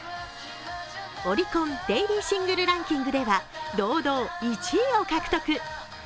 オリコン・デイリーシングルランキングでは堂々１位を獲得。